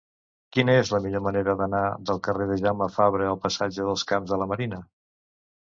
Quina és la millor manera d'anar del carrer de Jaume Fabre al passatge dels Camps de la Marina?